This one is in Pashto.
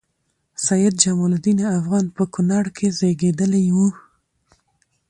سيدجمال الدين افغان په کونړ کې زیږیدلی وه